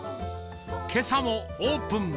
けさもオープン。